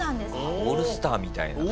オールスターみたいな感じだ。